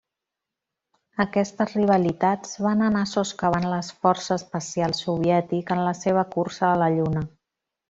Aquestes rivalitats van anar soscavant l'esforç espacial soviètic en la seva cursa a la Lluna.